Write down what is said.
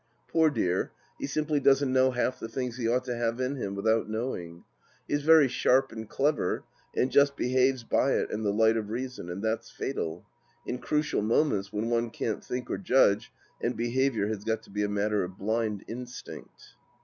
Poor dear, he simply doesn't know half the things he ought to have in him without knowing. He is very clever and sharp, and just behaves by it and the light of reason, and that's fatal — in crucial moments, when one can't think or judge, and behaviour has got to be a matter of blind instinct.